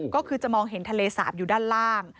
ก็คือจะมองเห็นทะเลสาบอยู่ด้านล่าง